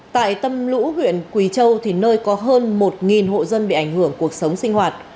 tại tâm lũ huyện quỳ châu thì nơi có hơn một hộ dân bị ảnh hưởng cuộc sống sinh hoạt